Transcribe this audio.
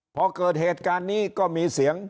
พอเกิดเหตุการณ์นี้ก็มีเสียง